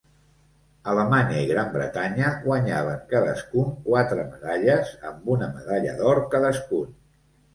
Alemanya i Gran Bretanya guanyaven cadascun quatre medalles amb una medalla d'or cadascun.